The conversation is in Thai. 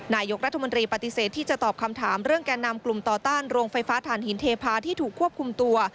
นายกรัฐมนตรีปฏิเสธที่จะตอบคำถามเรื่องแก่นำกลุ่มต่อต้านโรงไฟฟ้าฐานหินเทพาที่ถูกควบคุมตัว